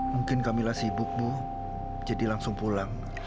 mungkin kamilah sibuk bu jadi langsung pulang